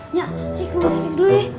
nyak ikut titik dulu ya